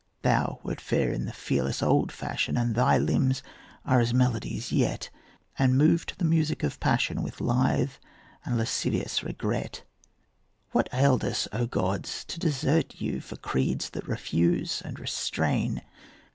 Thou wert fair in the fearless old fashion, And thy limbs are as melodies yet, And move to the music of passion With lithe and lascivious regret. What ailed us, O gods, to desert you For creeds that refuse and restrain?